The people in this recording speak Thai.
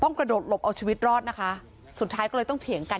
กระโดดหลบเอาชีวิตรอดนะคะสุดท้ายก็เลยต้องเถียงกัน